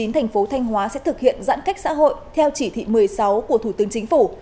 thành phố thanh hóa sẽ thực hiện giãn cách xã hội theo chỉ thị một mươi sáu của thủ tướng chính phủ